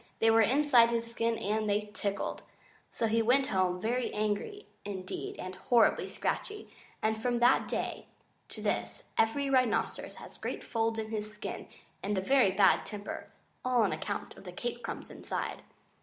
They were inside his skin and they tickled. So he went home, very angry indeed and horribly scratchy; and from that day to this every rhinoceros has great folds in his skin and a very bad temper, all on account of the cake crumbs inside.